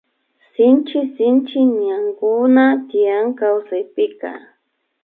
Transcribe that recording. Shinchi sinchi ñankuna tiyan kawsaypika